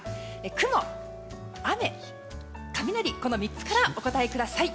雲、雨、雷の３つからお答えください。